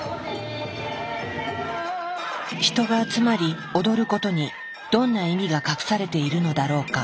人が集まり踊ることにどんな意味が隠されているのだろうか。